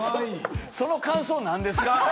その感想何ですか？